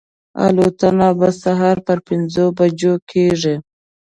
الوتنه به سهار پر پنځو بجو کېږي.